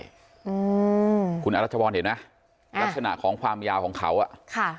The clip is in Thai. อืมคุณอรัชพรเห็นไหมลักษณะของความยาวของเขาอ่ะค่ะ